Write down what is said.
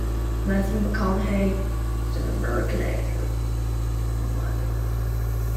Matthew McConaughey is an American actor.